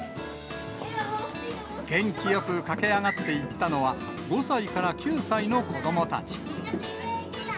元気よく駆け上がっていったのは、５歳から９歳の子どもたち。